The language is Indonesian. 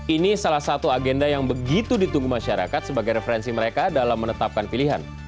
ini salah satu agenda yang begitu ditunggu masyarakat sebagai referensi mereka dalam menetapkan pilihan